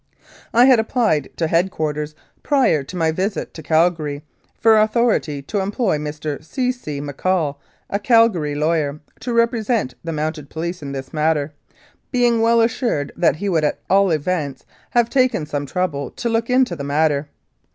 I had applied to head quarters, prior to my visit to Calgary, for authority to employ Mr. C. C. McCaul, a Calgary lawyer, to represent the Mounted Police in this matter, being well assured that he would, at all events, have taken some trouble to look into the matter.